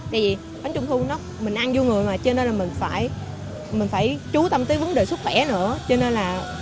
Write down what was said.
tại vì bánh trung thu mình ăn vô người mà cho nên là mình phải chú tâm tới vấn đề sức khỏe nữa